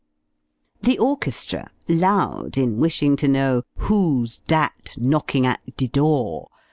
] The orchestra, loud in wishing to know "who's dat knocking at de door?"